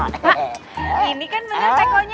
pak ini kan bener tekonya